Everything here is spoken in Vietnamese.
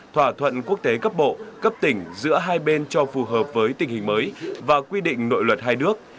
thỏa thuận quốc tế cấp bộ cấp tỉnh giữa hai bên cho phù hợp với tình hình mới và quy định nội luật hai nước